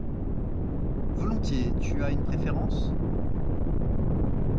Volontiers, tu as une préfèrence?